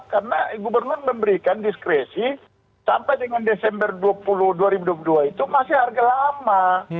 karena gubernur memberikan diskresi sampai dengan desember dua ribu dua puluh dua itu masih harga lama